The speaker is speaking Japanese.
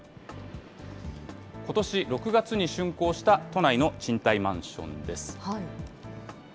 ことし６月にしゅんこうした都内の賃貸マンションです。